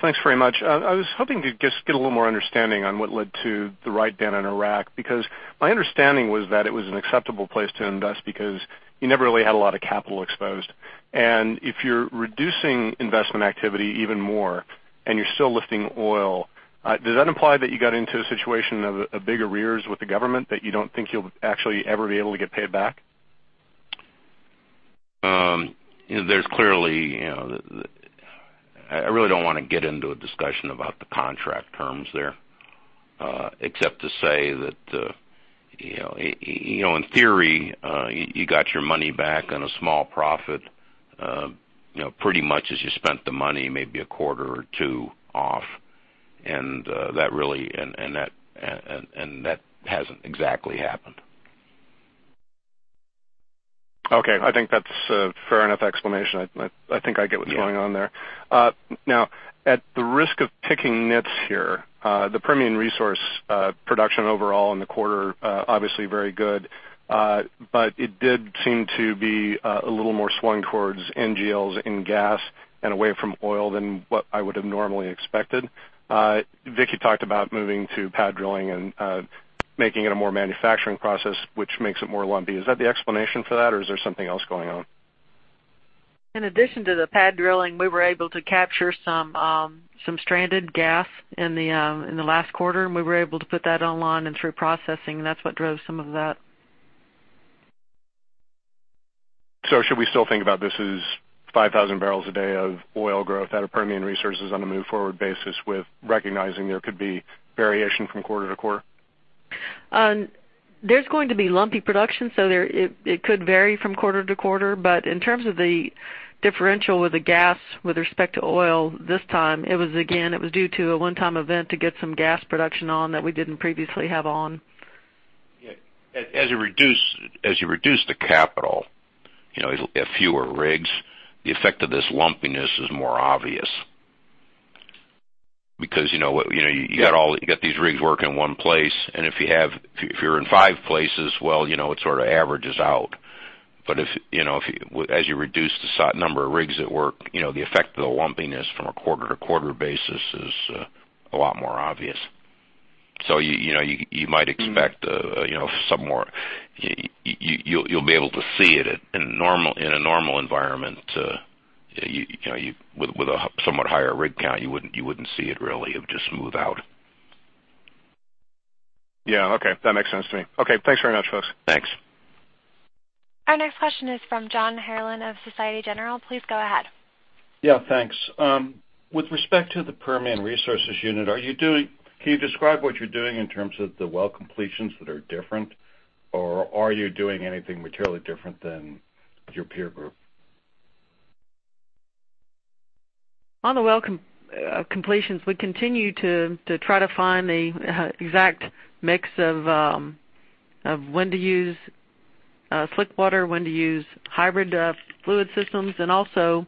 Thanks very much. I was hoping to just get a little more understanding on what led to the write-down in Iraq, because my understanding was that it was an acceptable place to invest because you never really had a lot of capital exposed. If you're reducing investment activity even more and you're still lifting oil, does that imply that you got into a situation of big arrears with the government that you don't think you'll actually ever be able to get paid back? I really don't want to get into a discussion about the contract terms there, except to say that, in theory, you got your money back and a small profit, pretty much as you spent the money, maybe a quarter or two off, and that hasn't exactly happened. I think that's a fair enough explanation. I think I get what's going on there. Yeah. At the risk of picking nits here, the Permian Resources production overall in the quarter, obviously very good. It did seem to be a little more swung towards NGLs and gas and away from oil than what I would have normally expected. Vicki talked about moving to pad drilling and making it a more manufacturing process, which makes it more lumpy. Is that the explanation for that or is there something else going on? In addition to the pad drilling, we were able to capture some stranded gas in the last quarter, and we were able to put that online and through processing, and that's what drove some of that. Should we still think about this as 5,000 barrels a day of oil growth out of Permian Resources on a move forward basis with recognizing there could be variation from quarter to quarter? There's going to be lumpy production, it could vary from quarter to quarter. In terms of the differential with the gas with respect to oil this time, it was, again, due to a one-time event to get some gas production on that we didn't previously have on. Yeah. As you reduce the capital, you'll have fewer rigs. The effect of this lumpiness is more obvious. You got these rigs working in one place, and if you're in five places, well, it sort of averages out. As you reduce the number of rigs at work, the effect of the lumpiness from a quarter-to-quarter basis is a lot more obvious. You'll be able to see it in a normal environment. With a somewhat higher rig count, you wouldn't see it really. It would just smooth out. Yeah. Okay. That makes sense to me. Okay. Thanks very much, folks. Thanks. Our next question is from John Herrlin of Societe Generale. Please go ahead. Yeah, thanks. With respect to the Permian Resources unit, can you describe what you're doing in terms of the well completions that are different, or are you doing anything materially different than your peer group? On the well completions, we continue to try to find the exact mix of when to use slick water, when to use hybrid fluid systems, and also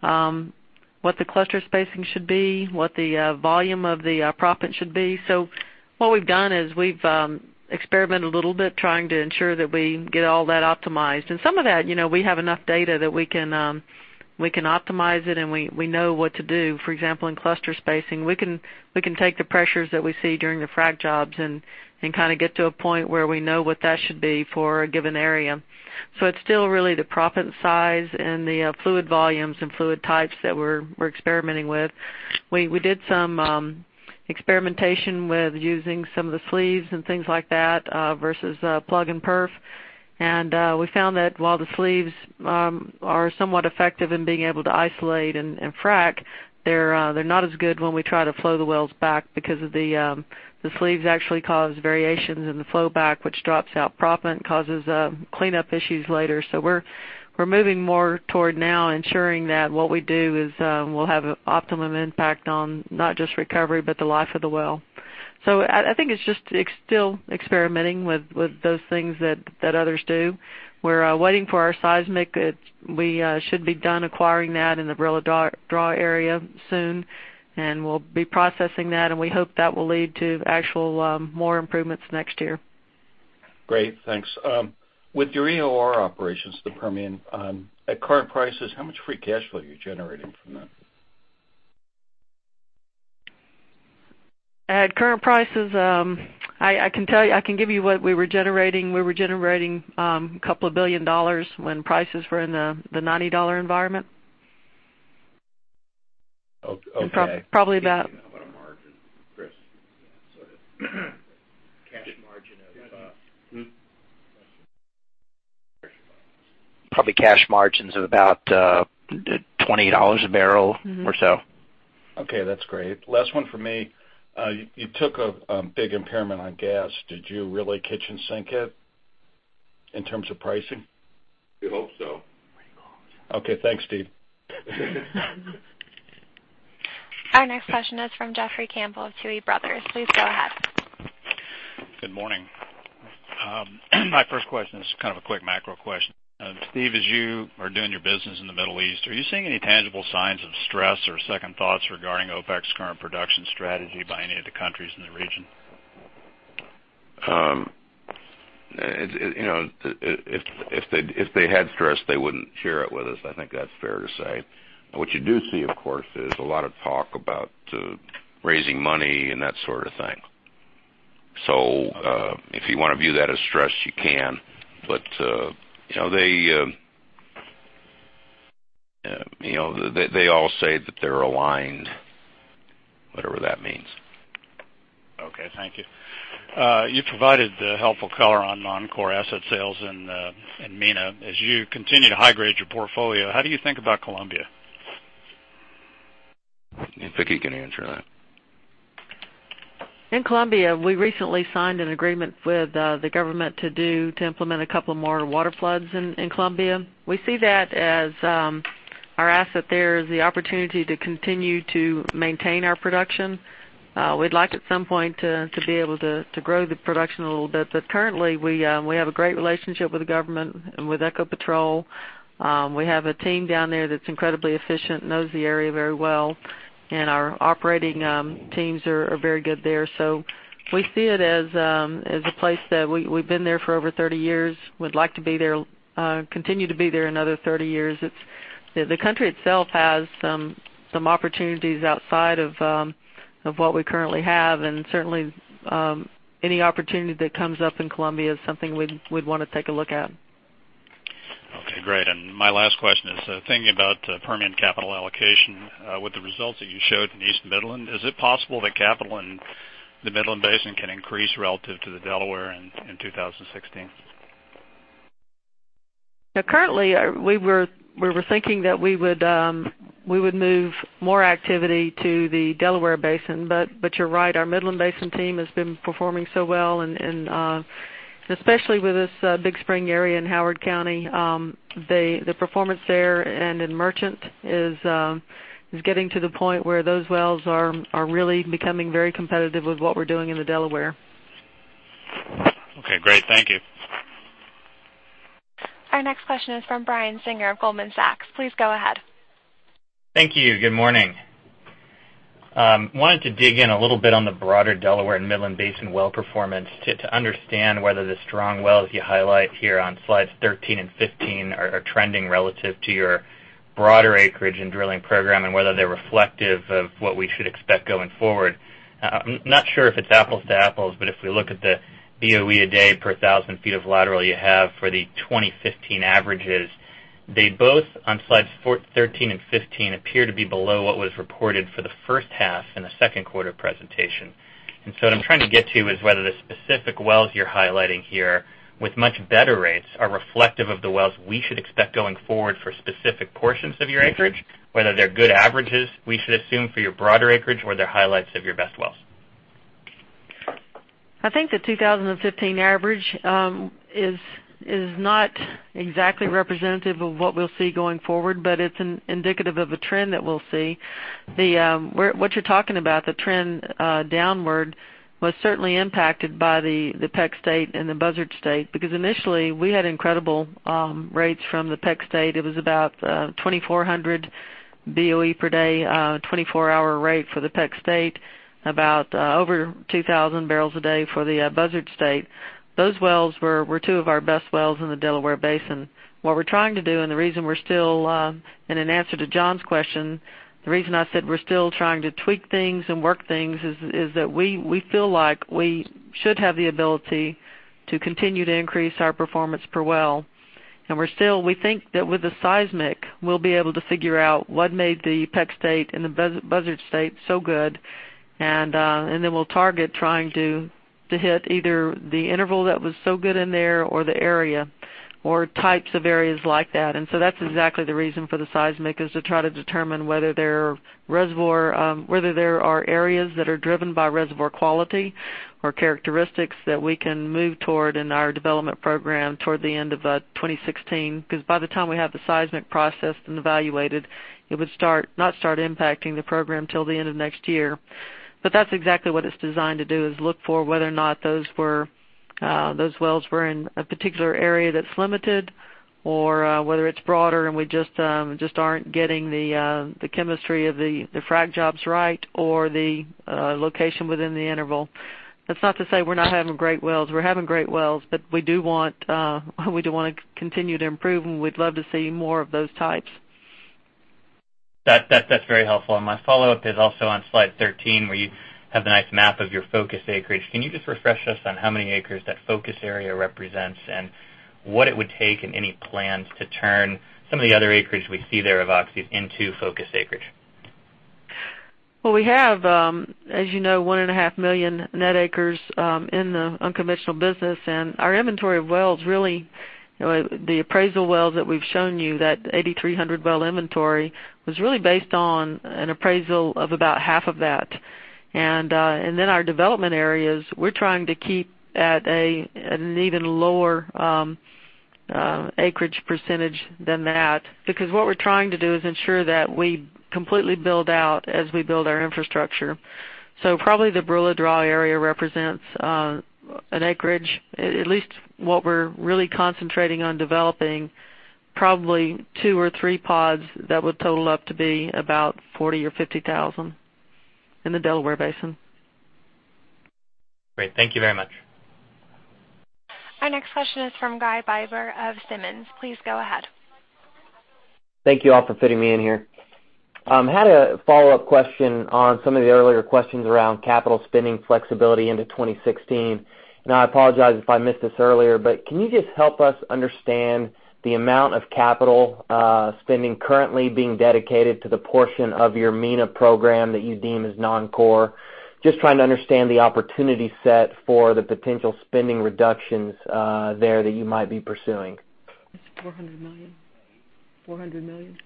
what the cluster spacing should be, what the volume of the proppant should be. What we've done is we've experimented a little bit trying to ensure that we get all that optimized. Some of that, we have enough data that we can optimize it, and we know what to do. For example, in cluster spacing, we can take the pressures that we see during the frack jobs and get to a point where we know what that should be for a given area. It's still really the proppant size and the fluid volumes and fluid types that we're experimenting with. We did some experimentation with using some of the sleeves and things like that versus plug and perf. We found that while the sleeves are somewhat effective in being able to isolate and frack, they're not as good when we try to flow the wells back because the sleeves actually cause variations in the flow back, which drops out proppant and causes cleanup issues later. We're moving more toward now ensuring that what we do will have an optimum impact on not just recovery, but the life of the well. I think it's just still experimenting with those things that others do. We're waiting for our seismic. We should be done acquiring that in the Barilla Draw area soon, and we'll be processing that, and we hope that will lead to actual more improvements next year. Great. Thanks. With your EOR operations, the Permian, at current prices, how much free cash flow are you generating from that? At current prices, I can give you what we were generating. We were generating a couple of billion USD when prices were in the $90 environment. Okay. Probably about- How about a margin, Chris? Yeah. Sort of cash margin of about Probably cash margins of about $28 a barrel or so. Okay. That's great. Last one from me. You took a big impairment on gas. Did you really kitchen sink it in terms of pricing? We hope so. Okay. Thanks, Steve. Our next question is from Jeffrey Campbell of Tuohy Brothers. Please go ahead. Good morning. My first question is a quick macro question. Steve, as you are doing your business in the Middle East, are you seeing any tangible signs of stress or second thoughts regarding OPEC's current production strategy by any of the countries in the region? If they had stress, they wouldn't share it with us. I think that's fair to say. What you do see, of course, is a lot of talk about raising money and that sort of thing. If you want to view that as stress, you can. They all say that they're aligned, whatever that means. Okay. Thank you. You provided the helpful color on non-core asset sales in MENA. As you continue to high-grade your portfolio, how do you think about Colombia? I think Vicki can answer that. In Colombia, we recently signed an agreement with the government to implement a couple more water floods in Colombia. We see that as our asset there as the opportunity to continue to maintain our production. We'd like, at some point, to be able to grow the production a little bit. Currently, we have a great relationship with the government and with Ecopetrol. We have a team down there that's incredibly efficient, knows the area very well, and our operating teams are very good there. We see it as a place that we've been there for over 30 years. We'd like to continue to be there another 30 years. Certainly any opportunity that comes up in Colombia is something we'd want to take a look at. Okay. Great. My last question is thinking about the Permian capital allocation with the results that you showed in Midland Basin, is it possible that capital and. The Midland Basin can increase relative to the Delaware in 2016. Currently, we were thinking that we would move more activity to the Delaware Basin, but you're right, our Midland Basin team has been performing so well, and especially with this Big Spring area in Howard County, the performance there and in Merchant is getting to the point where those wells are really becoming very competitive with what we're doing in the Delaware. Okay, great. Thank you. Our next question is from Brian Singer of Goldman Sachs. Please go ahead. Thank you. Good morning. Wanted to dig in a little bit on the broader Delaware and Midland Basin well performance to understand whether the strong wells you highlight here on slides 13 and 15 are trending relative to your broader acreage and drilling program and whether they're reflective of what we should expect going forward. I'm not sure if it's apples to apples. If we look at the BOE a day per 1,000 feet of lateral you have for the 2015 averages, they both, on slides 13 and 15, appear to be below what was reported for the first half in the second quarter presentation. What I'm trying to get to is whether the specific wells you're highlighting here with much better rates are reflective of the wells we should expect going forward for specific portions of your acreage, whether they're good averages we should assume for your broader acreage, or they're highlights of your best wells. I think the 2015 average is not exactly representative of what we'll see going forward. It's indicative of a trend that we'll see. What you're talking about, the trend downward, was certainly impacted by the Peck State and the Buzzard State. Initially we had incredible rates from the Peck State. It was about 2,400 BOE per day, 24-hour rate for the Peck State, about over 2,000 barrels a day for the Buzzard State. Those wells were two of our best wells in the Delaware Basin. What we're trying to do, and the reason we're still, and in answer to John's question, the reason I said we're still trying to tweak things and work things is that we feel like we should have the ability to continue to increase our performance per well. We think that with the seismic, we'll be able to figure out what made the Peck State and the Buzzard State so good. We'll target trying to hit either the interval that was so good in there or the area or types of areas like that. That's exactly the reason for the seismic, is to try to determine whether there are areas that are driven by reservoir quality or characteristics that we can move toward in our development program toward the end of 2016. By the time we have the seismic processed and evaluated, it would not start impacting the program till the end of next year. That's exactly what it's designed to do, is look for whether or not those wells were in a particular area that's limited or whether it's broader and we just aren't getting the chemistry of the frack jobs right or the location within the interval. That's not to say we're not having great wells. We're having great wells, we do want to continue to improve, and we'd love to see more of those types. That's very helpful. My follow-up is also on slide 13, where you have the nice map of your focus acreage. Can you just refresh us on how many acres that focus area represents and what it would take and any plans to turn some of the other acreage we see there of Oxy's into focus acreage? Well, we have, as you know, one and a half million net acres in the unconventional business, and our inventory of wells, really, the appraisal wells that we've shown you, that 8,300 well inventory, was really based on an appraisal of about half of that. Our development areas, we're trying to keep at an even lower acreage percentage than that, because what we're trying to do is ensure that we completely build out as we build our infrastructure. Probably the Barilla Draw area represents an acreage, at least what we're really concentrating on developing, probably two or three pods that would total up to be about 40,000 or 50,000 in the Delaware Basin. Great. Thank you very much. Our next question is from Guy Baber of Simmons. Please go ahead. Thank you all for fitting me in here. Had a follow-up question on some of the earlier questions around capital spending flexibility into 2016. I apologize if I missed this earlier, but can you just help us understand the amount of capital spending currently being dedicated to the portion of your MENA program that you deem as non-core? Just trying to understand the opportunity set for the potential spending reductions there that you might be pursuing. It's $400 million. $400 million.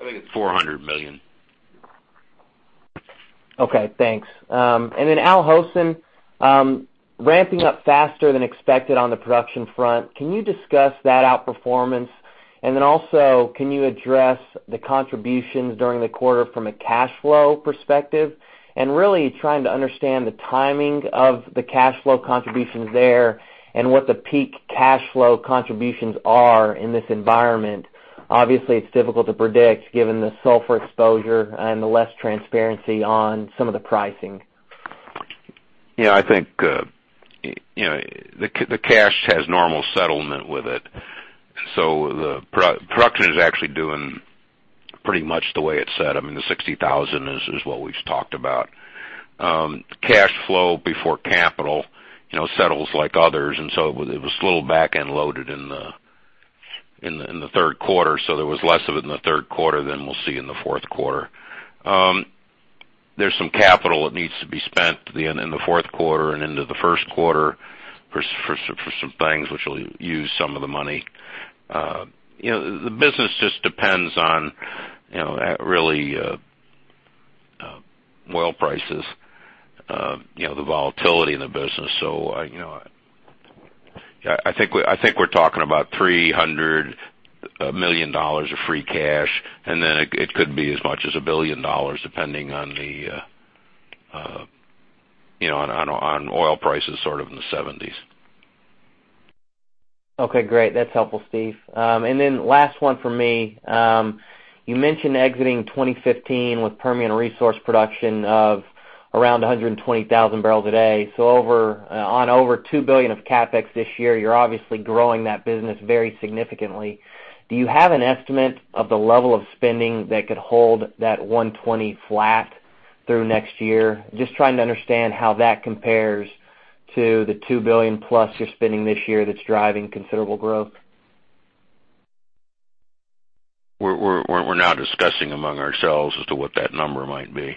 I think it's $400 million. Okay, thanks. Al Hosn, ramping up faster than expected on the production front, can you discuss that outperformance? Can you address the contributions during the quarter from a cash flow perspective? Trying to understand the timing of the cash flow contributions there and what the peak cash flow contributions are in this environment. Obviously, it's difficult to predict given the sulfur exposure and the less transparency on some of the pricing. Yeah, I think the cash has normal settlement with it. The production is actually doing pretty much the way it's set. I mean, the 60,000 is what we've talked about. Cash flow before capital settles like others, it was a little back-end loaded in the Q3, there was less of it in the Q3 than we'll see in the Q4. There's some capital that needs to be spent in the Q4 and into the Q1 for some things, which will use some of the money. The business just depends on really oil prices, the volatility in the business. I think we're talking about $300 million of free cash, it could be as much as $1 billion, depending on oil prices sort of in the 70s. Okay, great. That's helpful, Steve. Last one from me. You mentioned exiting 2015 with Permian Resources production of around 120,000 barrels a day. On over $2 billion of CapEx this year, you're obviously growing that business very significantly. Do you have an estimate of the level of spending that could hold that 120 flat through next year? Just trying to understand how that compares to the $2 billion-plus you're spending this year that's driving considerable growth. We're now discussing among ourselves as to what that number might be.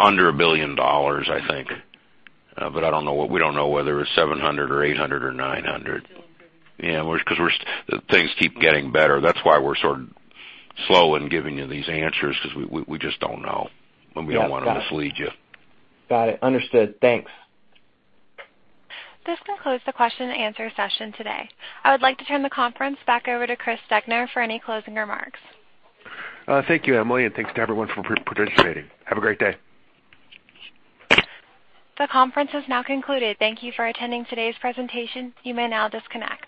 Under $1 billion, I think. We don't know whether it's 700 or 800 or 900. Things keep getting better. That's why we're sort of slow in giving you these answers, because we just don't know, and we don't want to mislead you. Got it. Understood. Thanks. This concludes the question and answer session today. I would like to turn the conference back over to Chris Degner for any closing remarks. Thank you, Emily. Thanks to everyone for participating. Have a great day. The conference has now concluded. Thank you for attending today's presentation. You may now disconnect.